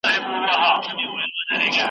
که څه هم په ډېر تلوار .